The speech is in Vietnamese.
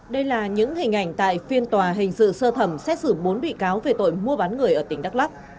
đây là những hình ảnh tại phiên tòa hình sự sơ thẩm xét xử bốn bị cáo về tội mua bán người ở tỉnh đắk lắc